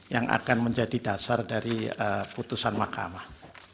yang akan menjadi dasar dari putusan mahkamah